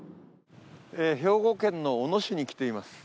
兵庫県の小野市に来ています。